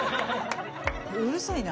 うるさいな。